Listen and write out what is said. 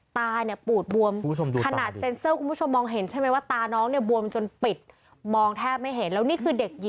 ตาเนี่ยปูดบวมขนาดเซ็นเซอร์คุณผู้ชมดูตาดี